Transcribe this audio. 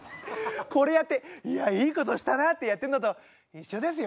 これやって「いやいいことしたな」ってやってんのと一緒ですよ。